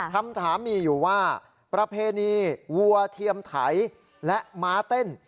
คำถามมีอยู่ว่าประเพณีวัวเทียมไถและม้าเต้น